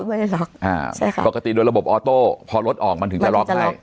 ไม่ได้ล็อกอ่าใช่ค่ะปกติโดยระบบออโต้พอรถออกมันถึงจะล็อกได้